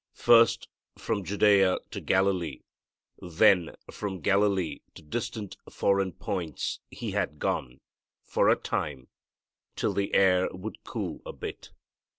First from Judea to Galilee, then from Galilee to distant foreign points He had gone, for a time, till the air would cool a bit.